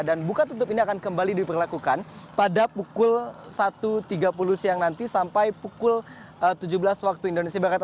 dan buka tutup ini akan kembali diperlakukan pada pukul satu tiga puluh siang nanti sampai pukul tujuh belas waktu indonesia barat